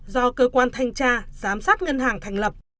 do cơ quan thanh tra giám sát ngân hàng thành lập